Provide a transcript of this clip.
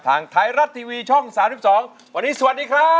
ทางไทยรัฐทีวีช่อง๓๒วันนี้สวัสดีครับ